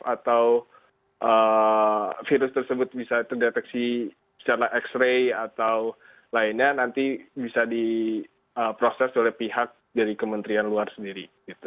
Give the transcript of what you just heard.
atau virus tersebut bisa terdeteksi secara x ray atau lainnya nanti bisa diproses oleh pihak dari kementerian luar sendiri